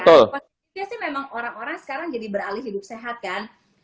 positifnya sih memang orang orang sekarang jadi beralih hidup sehat kan